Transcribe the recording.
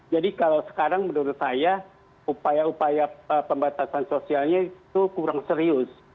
jadi kalau sekarang menurut saya upaya upaya pembatasan sosialnya itu kurang serius